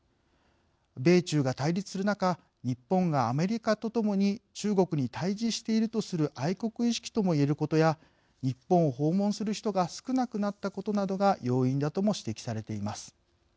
米中が対立する中日本がアメリカとともに中国に対じしているとする愛国意識ともいえることや日本を訪問する人が少なくなったことなどが要因だとも指摘されています。